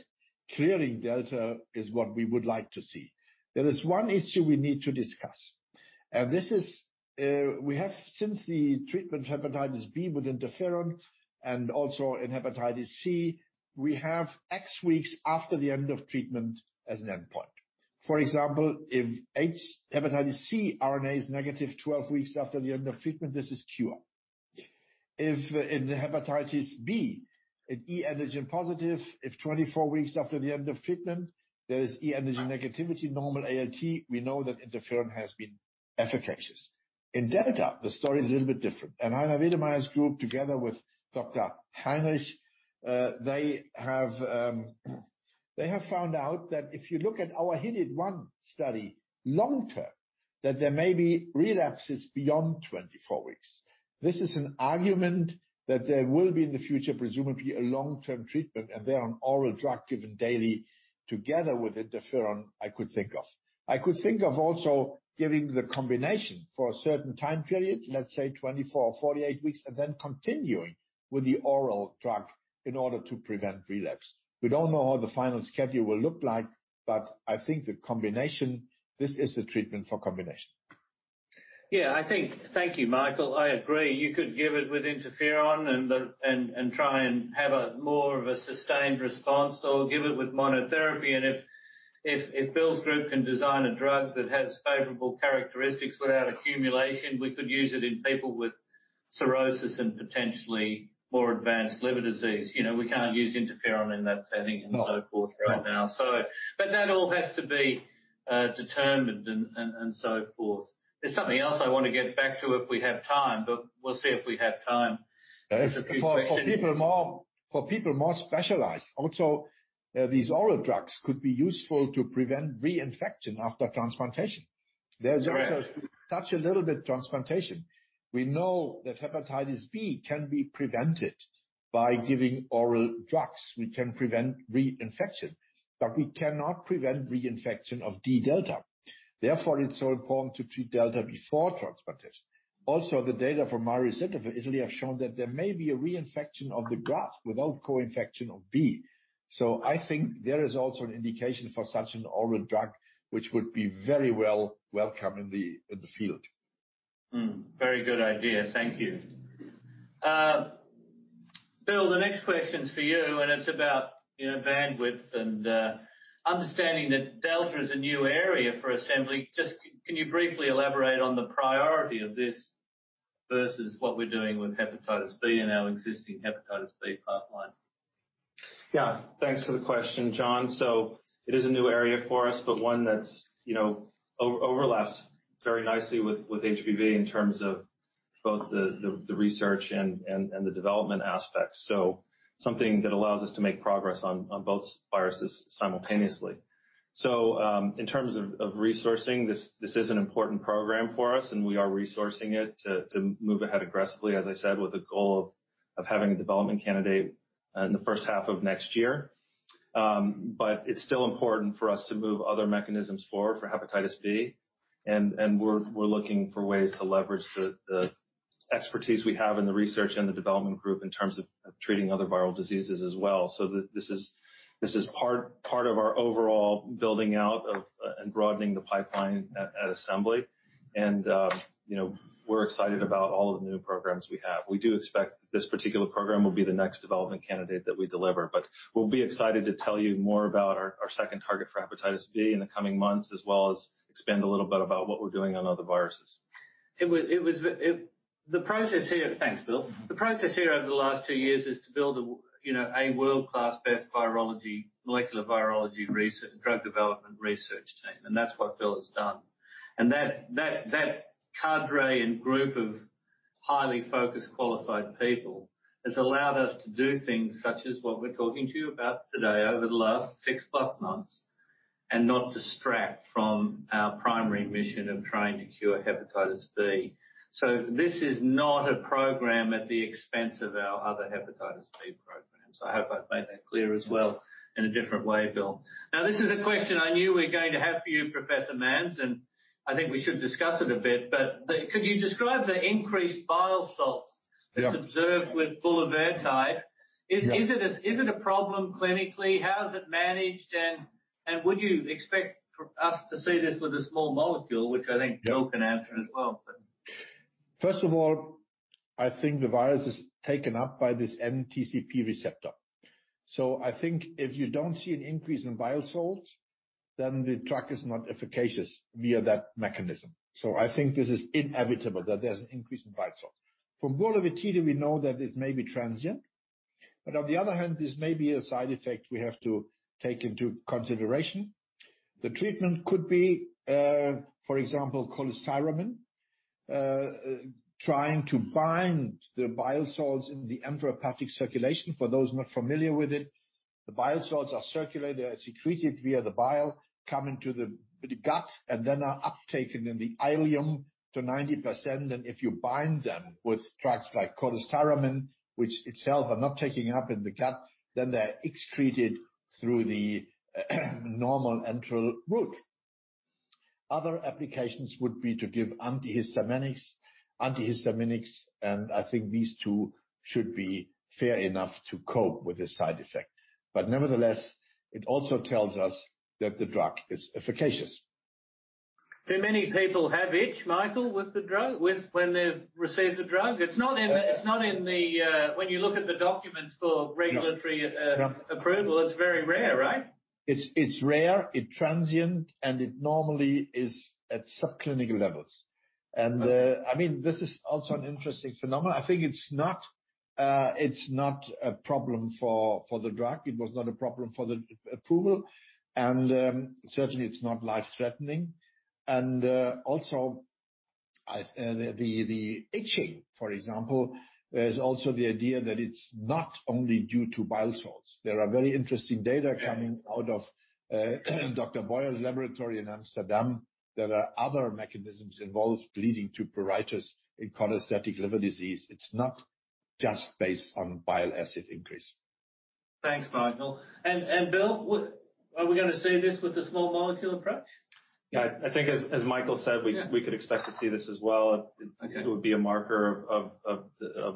clearing delta is what we would like to see. There is one issue we need to discuss, and this is, we have since the treatment of hepatitis B with interferon and also in hepatitis C, we have 12 weeks after the end of treatment as an endpoint. For example, if hepatitis C RNA is negative 12 weeks after the end of treatment, this is cure. If in the hepatitis B, if e-antigen positive, if 24 weeks after the end of treatment, there is e-antigen negativity, normal ALT, we know that interferon has been efficacious. In delta, the story is a little bit different. Heiner Wedemeyer's group, together with Dr. Heidrich, they have found out that if you look at our HIDIT-1 study long-term, that there may be relapses beyond 24 weeks. This is an argument that there will be, in the future, presumably a long-term treatment, and there is an oral drug given daily together with interferon. I could think of. I could think of also giving the combination for a certain time period, let's say 24 or 48 weeks, and then continuing with the oral drug in order to prevent relapse. We don't know how the final schedule will look like, but I think the combination, this is the treatment for combination. Thank you, Michael. I agree. You could give it with interferon and try and have more of a sustained response or give it with monotherapy. If Bill's group can design a drug that has favorable characteristics without accumulation, we could use it in people with cirrhosis and potentially more advanced liver disease. You know, we can't use interferon in that setting. No. and so forth right now. But that all has to be determined and so forth. There's something else I wanna get back to if we have time, but we'll see if we have time. There's a few questions- For people more specialized, also, these oral drugs could be useful to prevent reinfection after transplantation. Yeah. There's also to touch a little bit on transplantation. We know that hepatitis B can be prevented by giving oral drugs. We can prevent reinfection, but we cannot prevent reinfection of delta. Therefore, it's so important to treat delta before transplantation. Also, the data from Mario Rizzetto, Italy, have shown that there may be a reinfection of the graft without co-infection of B. I think there is also an indication for such an oral drug, which would be very welcome in the field. Very good idea. Thank you. Bill, the next question's for you, and it's about bandwidth and understanding that delta is a new area for Assembly. Just can you briefly elaborate on the priority of this versus what we're doing with hepatitis B and our existing hepatitis B pipeline? Yeah. Thanks for the question, John. It is a new area for us, but one that's, you know, overlaps very nicely with HBV in terms of both the research and the development aspects. Something that allows us to make progress on both viruses simultaneously. In terms of resourcing, this is an important program for us, and we are resourcing it to move ahead aggressively, as I said, with the goal of having a development candidate in the first half of next year. It's still important for us to move other mechanisms forward for hepatitis B, and we're looking for ways to leverage the expertise we have in the research and the development group in terms of treating other viral diseases as well, so this is part of our overall building out of and broadening the pipeline at Assembly, and, you know, we're excited about all of the new programs we have. We do expect this particular program will be the next development candidate that we deliver, but we'll be excited to tell you more about our second target for hepatitis B in the coming months, as well as expand a little bit about what we're doing on other viruses. The process here. Thanks, Bill. Mm-hmm. The process here over the last 2 years is to build you know, a world-class best virology, molecular virology research and drug development research team, and that's what Bill has done. That cadre and group of highly focused, qualified people has allowed us to do things such as what we're talking to you about today over the last 6+ months and not distract from our primary mission of trying to cure hepatitis B. This is not a program at the expense of our other hepatitis B programs. I hope I've made that clear as well in a different way, Bill. Now, this is a question I knew we're going to have for you, Professor Manns, and I think we should discuss it a bit. Could you describe the increased bile salts- Yeah. -that's observed with bulevirtide? Yeah. Is it a problem clinically, how is it managed, and would you expect for us to see this with a small molecule, which I think Bill can answer as well, but. First of all, I think the virus is taken up by this NTCP receptor. I think if you don't see an increase in bile salts, then the drug is not efficacious via that mechanism. I think this is inevitable that there's an increase in bile salts. From bulevirtide, we know that it may be transient, but on the other hand, this may be a side effect we have to take into consideration. The treatment could be, for example, cholestyramine, trying to bind the bile salts in the enterohepatic circulation. For those not familiar with it, the bile salts are circulated, they are secreted via the bile, come into the gut, and then are uptaken in the ileum to 90%, and if you bind them with drugs like cholestyramine, which itself are not taking up in the gut, then they're excreted through the normal enteral route. Other applications would be to give antihistamines, and I think these two should be fair enough to cope with this side effect. Nevertheless, it also tells us that the drug is efficacious. Do many people have itch, Michael, with the drug? When they've received the drug? It's not in the. When you look at the documents for regulatory- No. Approval, it's very rare, right? It's rare, it's transient, and it normally is at subclinical levels. Okay. I mean, this is also an interesting phenomenon. I think it's not a problem for the drug. It was not a problem for the approval, and certainly it's not life-threatening. Also, the itching, for example, there's also the idea that it's not only due to bile salts. There are very interesting data coming out of Dr. Beuers's laboratory in Amsterdam, there are other mechanisms involved leading to pruritus in cholestatic liver disease. It's not just based on bile acid increase. Thanks, Michael. Bill, are we gonna see this with the small molecule approach? Yeah. I think as Michael said. Yeah. We could expect to see this as well. Okay. It would be a marker of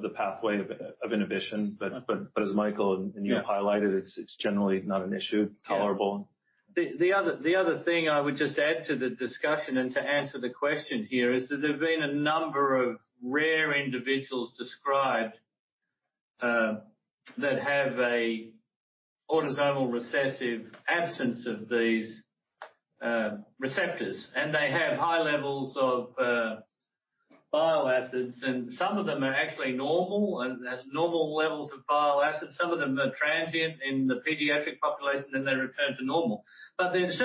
the pathway of inhibition. As Michael and you have highlighted, it's generally not an issue. Yeah. Tolerable. The other thing I would just add to the discussion and to answer the question here is that there've been a number of rare individuals described that have a autosomal recessive absence of these receptors, and they have high levels of bile acids, and some of them are actually normal and have normal levels of bile acids. Some of them are transient in the pediatric population, then they return to normal. But it's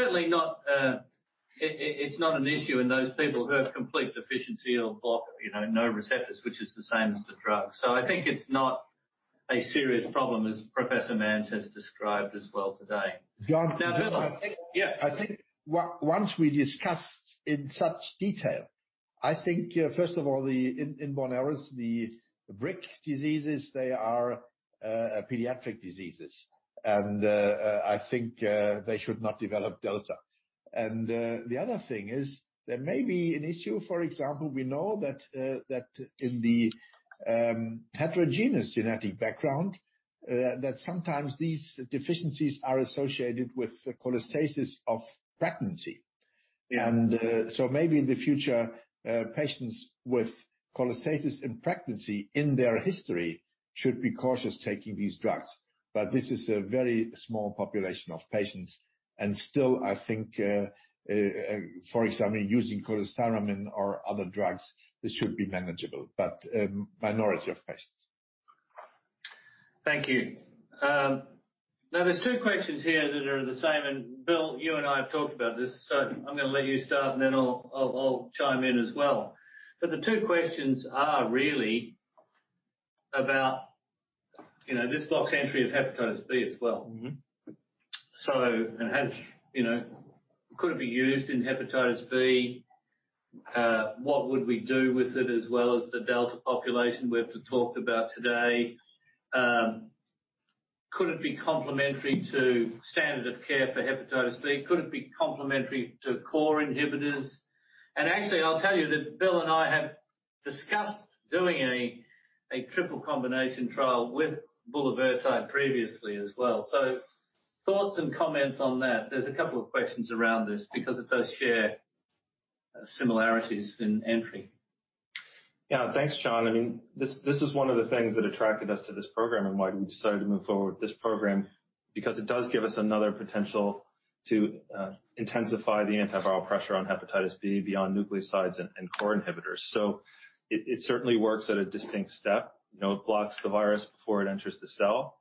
not an issue in those people who have complete deficiency or block, you know, no receptors, which is the same as the drug. So I think it's not a serious problem as Professor Manns has described as well today. John. Yeah. I think once we discuss in such detail, I think, first of all, the inborn errors, the BRIC diseases, they are pediatric diseases. They should not develop delta. The other thing is there may be an issue, for example, we know that in the heterogeneous genetic background, that sometimes these deficiencies are associated with the cholestasis of pregnancy. Maybe in the future, patients with cholestasis in pregnancy in their history should be cautious taking these drugs. This is a very small population of patients. Still, I think, for example, using cholestyramine or other drugs, this should be manageable. Minority of patients. Thank you. Now there's two questions here that are the same. Bill, you and I have talked about this, so I'm gonna let you start, and then I'll chime in as well. The two questions are really about, you know, this HBx entry of hepatitis B as well. Mm-hmm. You know, could it be used in hepatitis B? What would we do with it, as well as the delta population we have to talk about today? Could it be complementary to standard of care for hepatitis B? Could it be complementary to core inhibitors? Actually, I'll tell you that Bill and I have discussed doing a triple combination trial with bulevirtide previously as well. Thoughts and comments on that. There's a couple of questions around this because they share similarities in entry. Yeah. Thanks, John. I mean, this is one of the things that attracted us to this program and why we decided to move forward with this program, because it does give us another potential to intensify the antiviral pressure on hepatitis B beyond nucleosides and core inhibitors. It certainly works at a distinct step. You know, it blocks the virus before it enters the cell,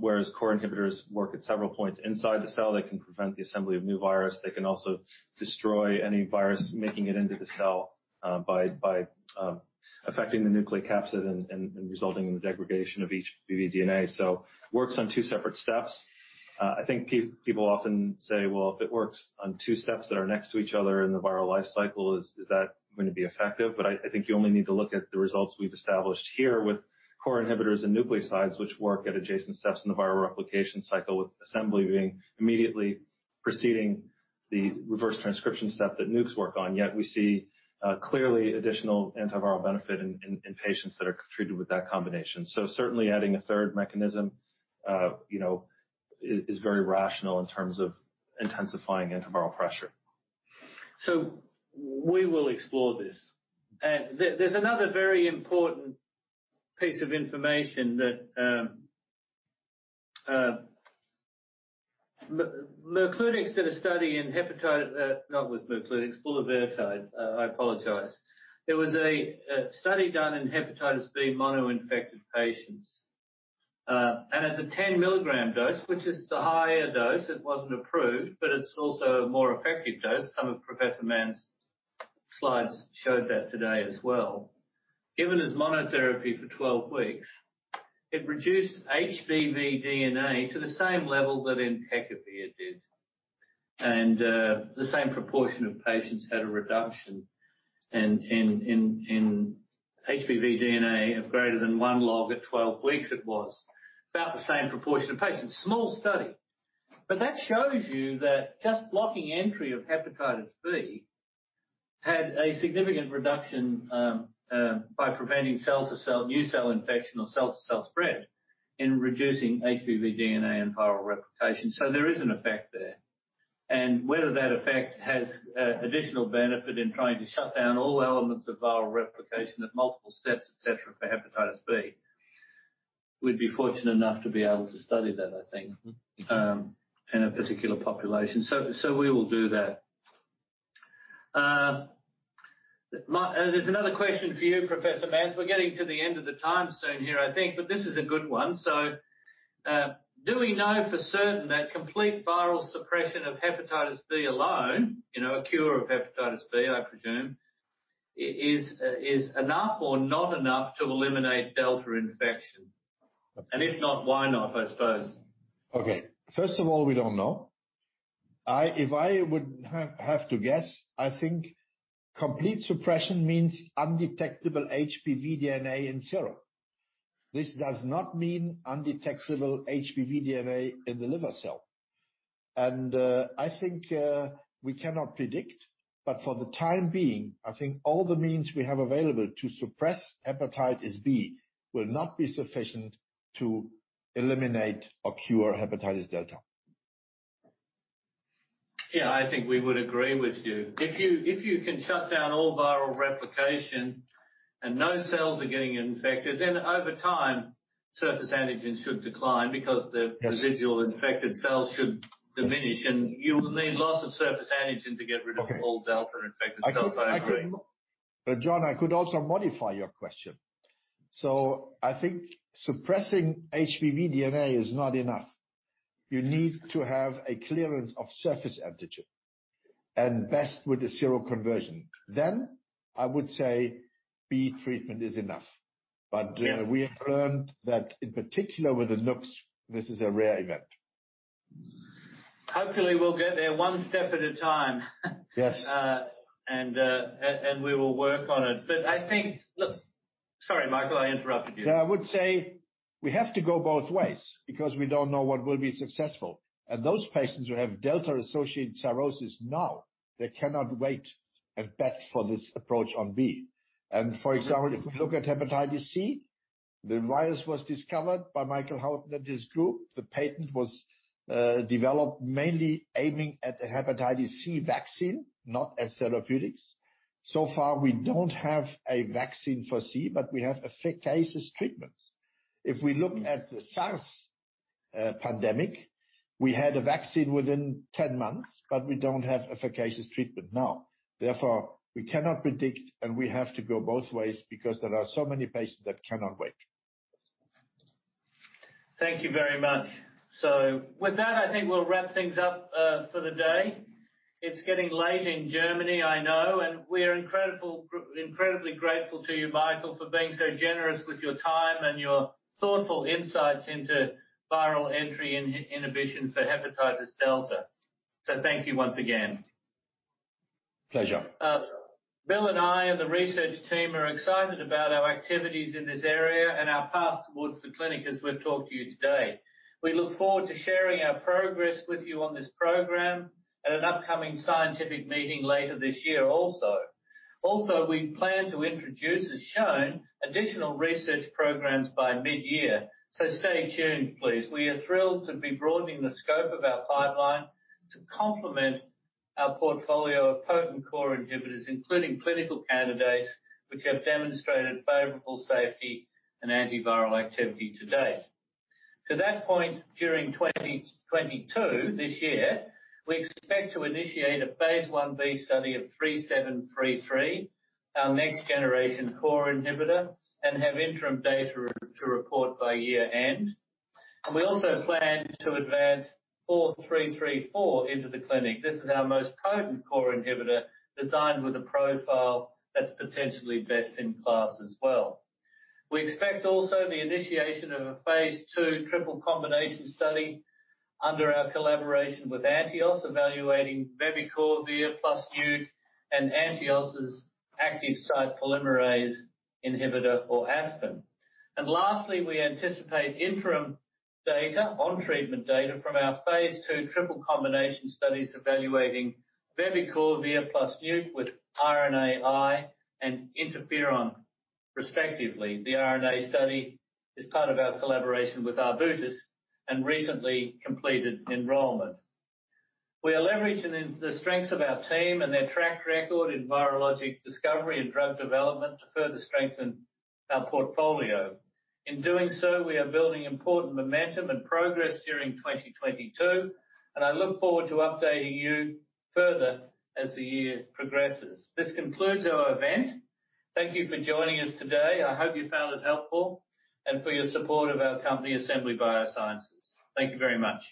whereas core inhibitors work at several points inside the cell. They can prevent the assembly of new virus. They can also destroy any virus making it into the cell by affecting the nucleocapsid and resulting in the degradation of HBV DNA. It works on two separate steps. I think people often say, "Well, if it works on two steps that are next to each other in the viral life cycle, is that gonna be effective?" I think you only need to look at the results we've established here with core inhibitors and nucleosides, which work at adjacent steps in the viral replication cycle, with assembly being immediately preceding the reverse transcription step that Nucs work on. Yet we see clearly additional antiviral benefit in patients that are treated with that combination. Certainly adding a third mechanism, you know, is very rational in terms of intensifying antiviral pressure. We will explore this. There's another very important piece of information. Bulevirtide. I apologize. There was a study done in hepatitis B monoinfected patients. At the 10 mg dose, which is the higher dose, it wasn't approved, but it's also a more effective dose. Some of Professor Manns's slides showed that today as well. Given as monotherapy for 12 weeks, it reduced HBV DNA to the same level that entecavir did. The same proportion of patients had a reduction in HBV DNA of greater than one log at 12 weeks. It was about the same proportion of patients. Small study. that shows you that just blocking entry of hepatitis B had a significant reduction by preventing cell to cell, new cell infection or cell to cell spread in reducing HBV DNA and viral replication. There is an effect there. Whether that effect has additional benefit in trying to shut down all elements of viral replication at multiple steps, et cetera, for hepatitis B, we'd be fortunate enough to be able to study that, I think. Mm-hmm. In a particular population. We will do that. There's another question for you, Professor Mann. We're getting to the end of the time soon here I think, but this is a good one. Do we know for certain that complete viral suppression of hepatitis B alone, you know, a cure of hepatitis B, I presume, is enough or not enough to eliminate delta infection? And if not, why not, I suppose? Okay. First of all, we don't know. If I would have to guess, I think complete suppression means undetectable HBV DNA in serum. This does not mean undetectable HBV DNA in the liver cell. I think we cannot predict. For the time being, I think all the means we have available to suppress hepatitis B will not be sufficient to eliminate or cure hepatitis delta. Yeah, I think we would agree with you. If you can shut down all viral replication and no cells are getting infected, then over time, surface antigens should decline. Yes. residual infected cells should diminish, and you will need lots of surface antigen to get rid of Okay. All delta-infected cells, I agree. John, I could also modify your question. I think suppressing HBV DNA is not enough. You need to have a clearance of surface antigen, and best with the seroconversion. I would say HBV treatment is enough. Yeah. We have learned that in particular with the Nucs, this is a rare event. Hopefully, we'll get there one step at a time. Yes. We will work on it. I think. Look, sorry, Michael, I interrupted you. Yeah, I would say we have to go both ways because we don't know what will be successful. Those patients who have delta associated cirrhosis now, they cannot wait and bet for this approach on B. Mm-hmm. If we look at hepatitis C, the virus was discovered by Michael Houghton and his group. The patent was developed mainly aiming at the hepatitis C vaccine, not as therapeutics. So far, we don't have a vaccine for C, but we have efficacious treatments. If we look at the SARS pandemic, we had a vaccine within 10 months, but we don't have efficacious treatment now. Therefore, we cannot predict, and we have to go both ways because there are so many patients that cannot wait. Thank you very much. With that, I think we'll wrap things up for the day. It's getting late in Germany, I know, and we're incredibly grateful to you, Michael, for being so generous with your time and your thoughtful insights into viral entry inhibition for hepatitis delta. Thank you once again. Pleasure. Bill and I and the research team are excited about our activities in this area and our path towards the clinic as we've talked to you today. We look forward to sharing our progress with you on this program at an upcoming scientific meeting later this year also. Also, we plan to introduce, as shown, additional research programs by mid-year. Stay tuned, please. We are thrilled to be broadening the scope of our pipeline to complement our portfolio of potent core inhibitors, including clinical candidates which have demonstrated favorable safety and antiviral activity to date. To that point, during 2022, this year, we expect to initiate a phase I-B study of 3733, our next-generation core inhibitor, and have interim data to report by year-end. We also plan to advance 4334 into the clinic. This is our most potent core inhibitor, designed with a profile that's potentially best in class as well. We expect also the initiation of a phase II triple combination study under our collaboration with Antios, evaluating vebicorvir plus NrtI and Antios' active site polymerase inhibitor or ASPIN. Lastly, we anticipate interim data on treatment data from our phase II triple combination studies evaluating vebicorvir plus NrtI with RNAi and interferon respectively. The RNAi study is part of our collaboration with Arbutus and recently completed enrollment. We are leveraging in the strengths of our team and their track record in virologic discovery and drug development to further strengthen our portfolio. In doing so, we are building important momentum and progress during 2022, and I look forward to updating you further as the year progresses. This concludes our event. Thank you for joining us today. I hope you found it helpful and for your support of our company, Assembly Biosciences. Thank you very much.